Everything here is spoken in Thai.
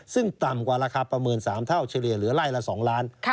ซึ่งต่ำกว่าราคาประเมิน๓เท่าเฉลี่ยเหลือไล่ละ๒ล้าน